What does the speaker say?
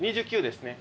２９ですね。